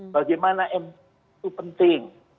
bagaimana itu penting